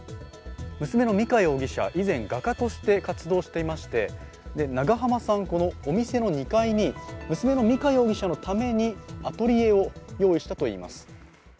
娘の美香容疑者、以前画家として活動していまして長濱さんはこのお店の２階に娘の美香容疑者のためにアトリエを用意したといいます。